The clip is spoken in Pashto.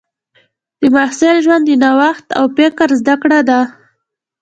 د محصل ژوند د نوښت او فکر زده کړه ده.